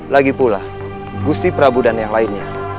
lagipula gusipra dan yang lainnya